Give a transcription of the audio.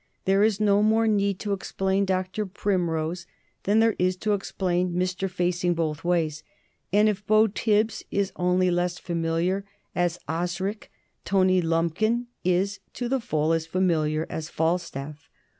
There is no more need to explain Dr. Primrose than there is to explain Mr. Facing both ways, and if Beau Tibbs is only less familiar as Osric, Tony Lumpkin is to the full as familiar as Falstaff.